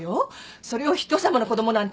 それをひとさまの子供なんて。